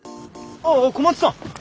ああ小松さん！